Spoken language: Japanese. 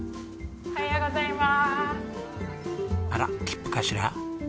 おはようございます。